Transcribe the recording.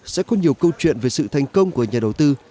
sẽ có nhiều câu chuyện về sự thành công của nhà đầu tư